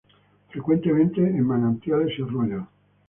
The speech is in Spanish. Frecuente en manantiales y arroyos.